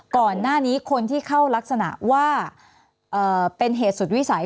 ก่อนหน้านี้คนที่เข้ารักษณะว่าเป็นเหตุสุดวิสัย